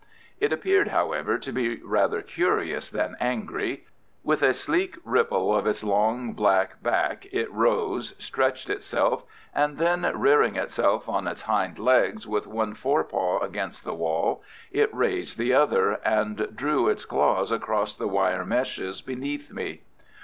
It appeared, however, to be rather curious than angry. With a sleek ripple of its long, black back it rose, stretched itself, and then rearing itself on its hind legs, with one fore paw against the wall, it raised the other, and drew its claws across the wire meshes beneath me.